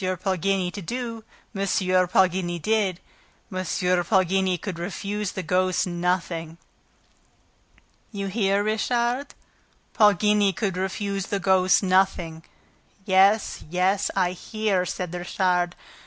Poligny to do M. Poligny did. M. Poligny could refuse the ghost nothing." "You hear, Richard: Poligny could refuse the ghost nothing." "Yes, yes, I hear!" said Richard.